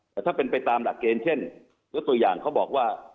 แต่ถ้าเป็นไปตามหลักเกณฑ์เช่นยกตัวอย่างเขาบอกว่า